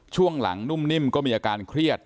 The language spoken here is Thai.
ช่วงหลังนุ่มนิ่มก็มีอาการเครียด